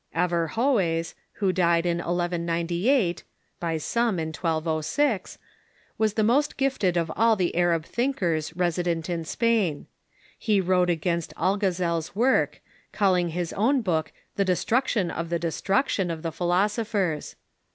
Averrhoes, who died in 1198 (by some, in 1206), was the most gifted of all the Arab thinkers resident in Spain. He wrote against Algazel's work, calling his own book Averrhoes . the "Destruction of the Destruction of the Philoso phers."